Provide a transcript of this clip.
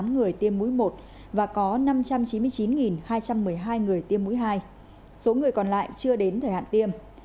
người tiêm mũi một và có năm trăm chín mươi chín hai trăm một mươi hai người tiêm mũi hai số người còn lại chưa đến thời hạn tiêm